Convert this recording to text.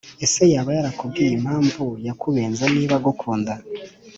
Ese yaba yarakubwiye impamvu yakubenze niba agukunda